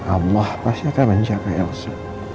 allah pasti akan menjaga elsa